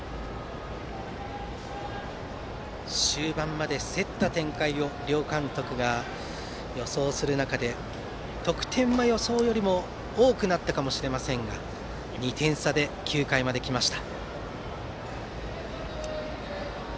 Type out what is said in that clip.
終盤まで競った展開を両監督が予想する中で得点は予想よりも多くなったかもしれませんが２点差で９回まで来ました。